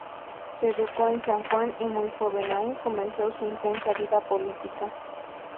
Se educó en San Juan, y muy joven aún, comenzó su intensa vida política.